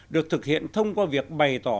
được thực hiện thông qua việc bày tỏ